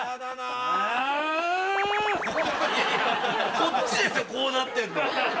こっちですよこうなってんのは。